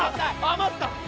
余った。